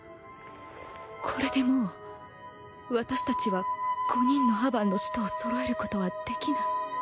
これでもう私たちは５人のアバンの使徒をそろえることはできない。